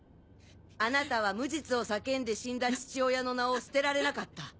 あなたは無実を叫んで死んだ父親の名を捨てられなかった。